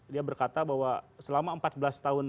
dia berkata bahwa selama empat belas tahun